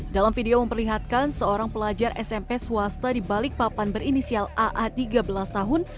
dalam video memperlihatkan seorang pelajar smp swasta di balikpapan berinisial aa tiga belas tahun